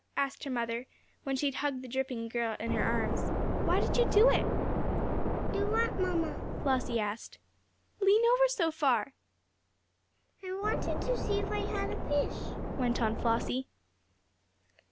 asked her mother, when she had hugged the dripping little girl in her arms. "Why did you do it?" "Do what, mamma?" Flossie asked. "Lean over so far." "I wanted to see if I had a fish," went on Flossie.